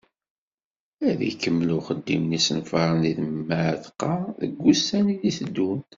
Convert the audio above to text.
Ad ikemmel uxeddim n yisenfaren, deg Mɛetqa, deg wussan i d-iteddun.